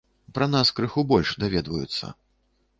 Пра нас крыху больш даведваюцца.